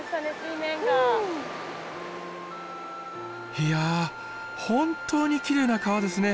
いや本当にきれいな川ですね。